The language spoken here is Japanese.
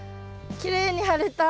きれいに張れた。